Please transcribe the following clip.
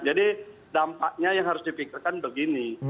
jadi dampaknya yang harus dipikirkan begini